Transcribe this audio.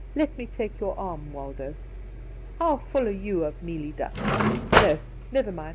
Let me take your arm Waldo. "How full you are of mealie dust. No, never mind.